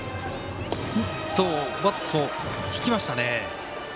バット引きましたね。